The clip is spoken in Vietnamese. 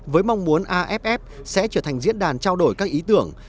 với mong muốn aff sẽ trở thành diễn đàn trao đổi các ý tưởng